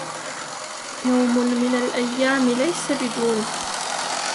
يوم من الأيام ليس بدون